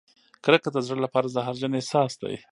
کرکه د زړه لپاره زهرجن احساس دی.